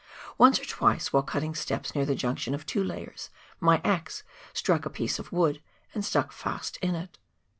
Once or twice while cutting steps near the junction of two layers, my axe struck a piece of wood, and stuck fast in it.